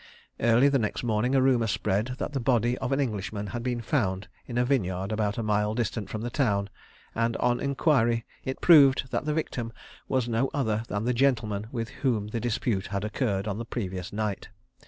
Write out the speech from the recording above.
Early the next morning a rumour spread that the body of an Englishman had been found in a vineyard, about a mile distant from the town, and on enquiry it proved that the victim was no other than the gentleman with whom the dispute had occurred on the previous night.